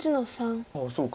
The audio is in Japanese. ああそうか。